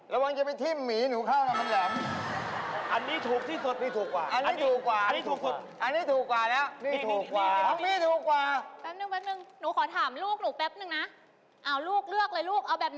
ระวังจะไปทิ้มหมีหนูเข้าน้ำมันแหลม